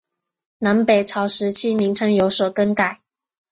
南北朝时期名称有所更改。